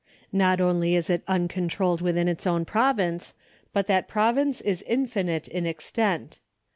Not only is it uncontrolled within its own province, but that province is infinite in extent.